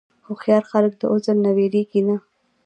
هوښیار خلک د عذر نه وېرېږي نه.